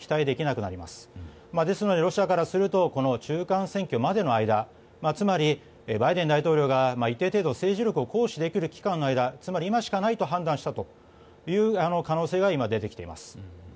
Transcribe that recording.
ですので、ロシアからすると中間選挙までの間つまりバイデン大統領が一定程度政治力を行使できる期間の間つまり、今しかないと判断したという可能性が出てきています。